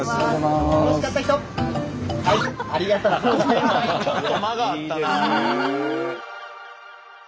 ちょっと間があったな。